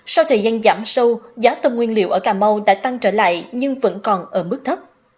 sau thời gian giảm sâu giá tôm nguyên liệu ở cà mau đã tăng trở lại nhưng vẫn còn ở mức thấp